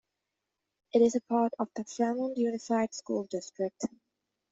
It is a part of the Fremont Unified School District.